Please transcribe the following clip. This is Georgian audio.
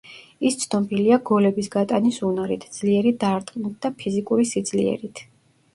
ის ცნობილია გოლების გატანის უნარით, ძლიერი დარტყმით და ფიზიკური სიძლიერით.